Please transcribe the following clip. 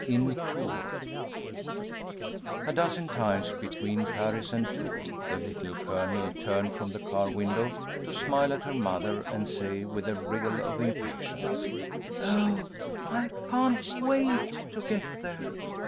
IN TOURS A dozen times between Paris and Tours the Little Colonel turned from the car window to smile at her mother, and say with a wriggle of impatience, "Oh, I can't wait to get there!